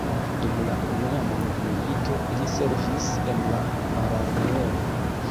Dum la Unua mondmilito li servis en la mararmeo.